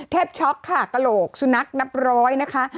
ช็อกค่ะกระโหลกสุนัขนับร้อยนะคะ